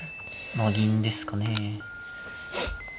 まあ銀ですかね。